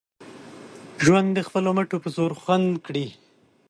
ژوند د خپلو مټو په زور خوند کړي